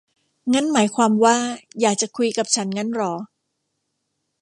งั้นหมายความว่าอยากจะคุยกับฉันงั้นหรอ